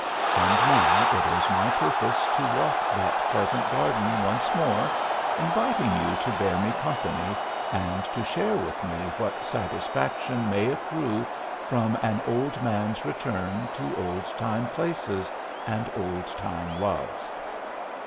And now it is my purpose to walk that pleasant garden once more, inviting you to bear me company and to share with me what satisfaction may accrue from an old man's return to old time places and old time loves.